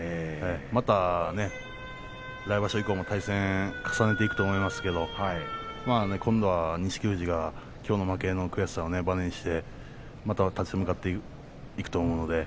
また来場所以降も対戦を重ねていくと思いますが今度は錦富士が、きょうの負けの悔しさをばねにしてまたぶつかっていくと思います。